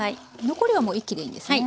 残りはもう一気でいいんですね？